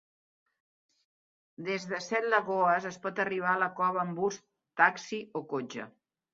Des de Sete Lagoas es pot arribar a la cova amb bus, taxi o cotxe.